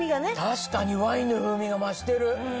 確かにワインの風味が増してる。